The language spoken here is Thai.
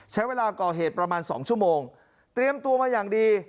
ใช้เวลาก่อเหตุประมาณ๒ชั่วโมงเตรียมตัวมาอย่างดี